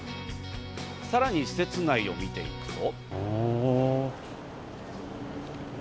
さらに施設内を見ていくと。